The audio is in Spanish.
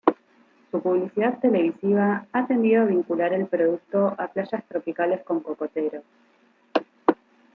Su publicidad televisiva ha tendido a vincular el producto a playas tropicales con cocoteros.